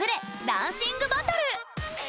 ダンシングバトル！